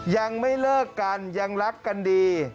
ยังไม่เลิกกันยังรักกันดี